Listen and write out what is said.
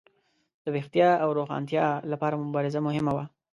د ویښتیا او روښانتیا لپاره مبارزه مهمه وه.